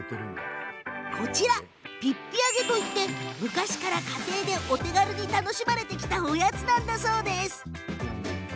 これは、ぴっぴ揚げといって昔から家庭でお手軽に楽しまれてきたおやつなんだそうです。